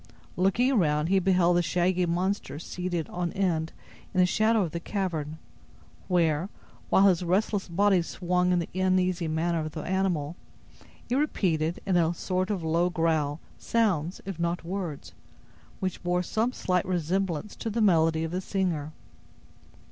Looking around, he beheld the shaggy monster seated on end in a shadow of the cavern, where, while his restless body swung in the uneasy manner of the animal, it repeated, in a sort of low growl, sounds, if not words, which bore some slight resemblance to the melody of the singer.